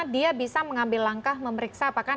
dia bisa mengambil langkah memeriksa apakah